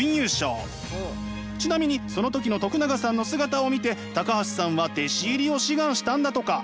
ちなみにその時の永さんの姿を見て橋さんは弟子入りを志願したんだとか。